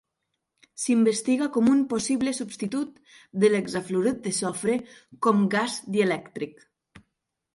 S'investiga com un possible substitut de l'hexafluorur de sofre com gas dielèctric.